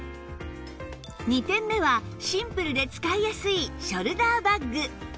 ２点目はシンプルで使いやすいショルダーバッグ